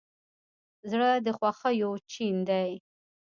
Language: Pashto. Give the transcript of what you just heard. زړه د خوښیو چین دی.